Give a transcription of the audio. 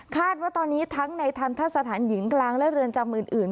ว่าตอนนี้ทั้งในทันทะสถานหญิงกลางและเรือนจำอื่น